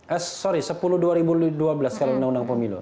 eh sorry sepuluh dua ribu dua belas kalau undang undang pemilu